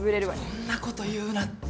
そんなこと言うなって。